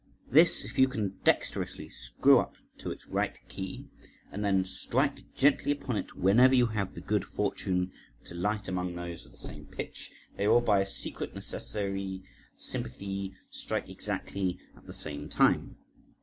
This, if you can dexterously screw up to its right key, and then strike gently upon it whenever you have the good fortune to light among those of the same pitch, they will by a secret necessary sympathy strike exactly at the same time.